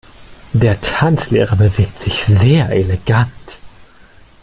Der Tanzlehrer bewegt sich sehr elegant.